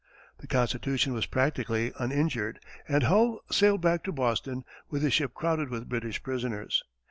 The Constitution was practically uninjured, and Hull sailed back to Boston, with his ship crowded with British prisoners.